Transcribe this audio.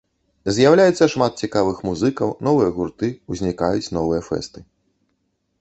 З'яўляецца шмат цікавых музыкаў, новыя гурты, узнікаюць новыя фэсты.